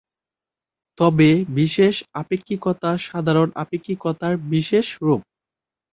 তবে বিশেষ আপেক্ষিকতা সাধারণ আপেক্ষিকতার বিশেষ রূপ।